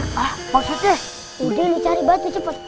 hah maksudnya udah lu cari batu cepet